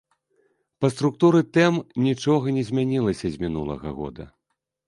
Па структуры тэм нічога не змянілася з мінулага года.